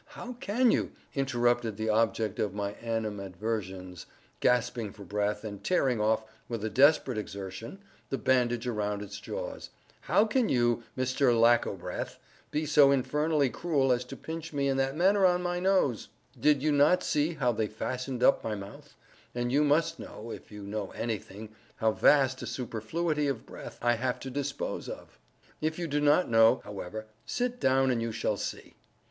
—how—can—you?"—interrupted the object of my animadversions, gasping for breath, and tearing off, with a desperate exertion, the bandage around its jaws—"how can you, Mr. Lackobreath, be so infernally cruel as to pinch me in that manner by the nose? Did you not see how they had fastened up my mouth—and you must know—if you know any thing—how vast a superfluity of breath I have to dispose of! If you do not know, however, sit down and you shall see.